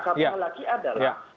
satu hal lagi adalah